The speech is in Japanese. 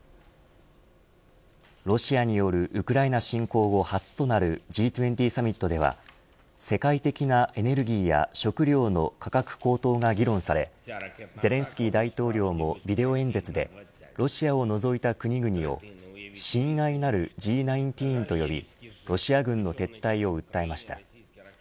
ロシアによるウクライナ侵攻後初となるＧ２０サミットでは世界的なエネルギーや食料の価格高騰が議論されゼレンスキー大統領もビデオ演説でロシアを除いた国々を親愛なるＧ１９と呼びロシア軍の撤退を訴えました。